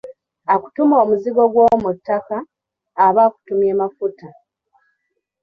Akutuma omuzigo gw’omuttaka, aba akutumye Mafuta.